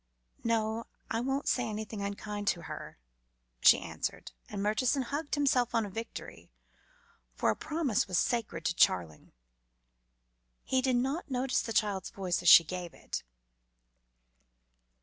"No, I won't say anything unkind to her," she answered, and Murchison hugged himself on a victory, for a promise was sacred to Charling. He did not notice the child's voice as she gave it.